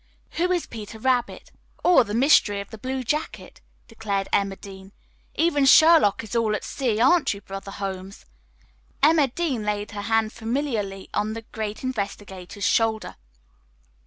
"Who is 'Peter Rabbit'; or, the Mystery of the 'Blue Jacket'?" declaimed Emma Dean. "Even Sherlock is all at sea, aren't you, Brother Holmes?" Emma Dean laid her hand familiarly on the great investigator's shoulder.